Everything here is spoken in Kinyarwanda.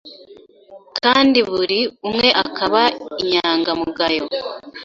kandi buri umwe akaba inyanga mugayo